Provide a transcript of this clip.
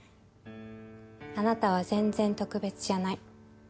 あなたは全然特別じゃない。